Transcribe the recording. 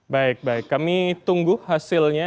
baik baik kami tunggu hasilnya